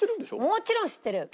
もちろん知ってるよ！